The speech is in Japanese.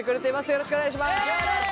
よろしくお願いします。